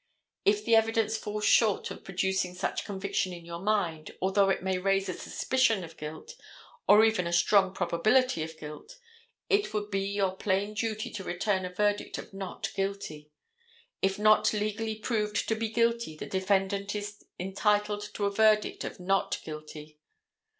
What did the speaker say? If the evidence falls short of producing such conviction in your mind, although it may raise a suspicion of guilt, or even a strong probability of guilt, it would be your plain duty to return a verdict of not guilty. If not legally proved to be guilty, the defendant is entitled to a verdict of not guilty.